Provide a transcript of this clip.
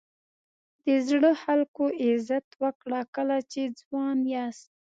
د زړو خلکو عزت وکړه کله چې ځوان یاست.